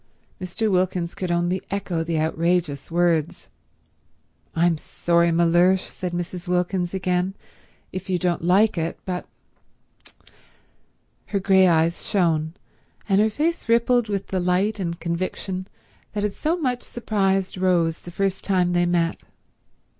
Mr. Wilkins could only echo the outrageous words. "I'm sorry, Mellersh," said Mrs. Wilkins again, "if you don't like it, but—" Her grey eyes shone, and her face rippled with the light and conviction that had so much surprised Rose the first time they met.